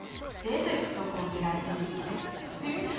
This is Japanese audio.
デート行くとこ見られてしもて。